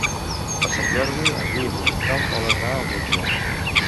Per Sant Jordi en Guim i en Tom volen anar al metge.